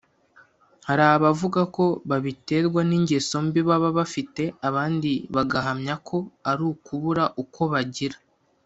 Hari abavuga ko babiterwa n’ingeso mbi baba bafite abandi bagahamya ko ari ukubura uko bagira